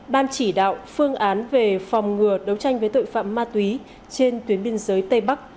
ban chỉ đạo phương án về phòng ngừa đấu tranh với tội phạm ma túy trên tuyến biên giới tây bắc